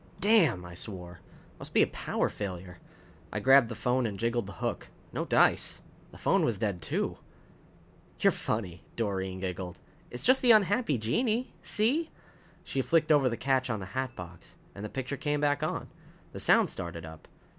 "Damn!" I swore. "Must be a power failure!" I grabbed the phone and jiggled the hook. No dice. The phone was dead, too. "You're funny," Doreen giggled. "It's just the unhappy genii. See?" She flicked over the catch on the hatbox. And the picture came back on. The sound started up.